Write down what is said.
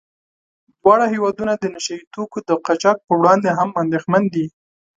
دواړه هېوادونه د نشه يي توکو د قاچاق په وړاندې هم اندېښمن دي.